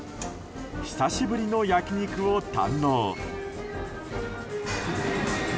久しぶりの焼き肉を堪能。